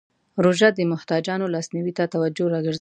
روژه د محتاجانو لاسنیوی ته توجه راګرځوي.